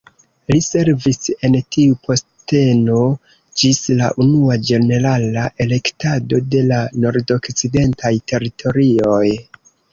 Li servis en tiu posteno ĝis la Unua ĝenerala elektado de la Nordokcidentaj Teritorioj.